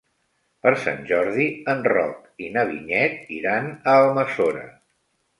Per Sant Jordi en Roc i na Vinyet iran a Almassora.